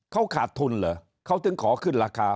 เขาขาดทุนเหรอเขาถึงขอขึ้นราคา